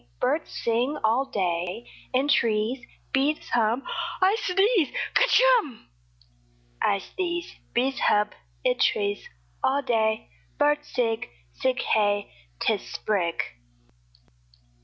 Birds sing All day. In trees Bees hum I sneeze Skatch Humb!! I sdeeze. Bees hub. Id trees All day Birds sig. Sig Hey! 'Tis Sprig!